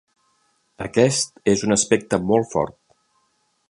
Aquest és un aspecte molt fort.